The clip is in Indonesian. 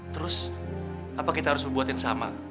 terus apa kita harus berbuat yang sama